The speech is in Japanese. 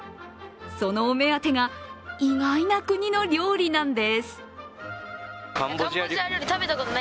そのお目当てが、意外な国の料理なんです。